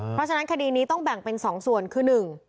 เพราะฉะนั้นคดีนี้ต้องแบ่งเป็น๒ส่วนคือหนึ่ง